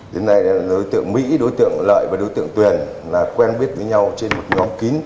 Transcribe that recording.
đến nay đối tượng mỹ đối tượng lợi và đối tượng tuyền quen biết với nhau trên một nhóm kín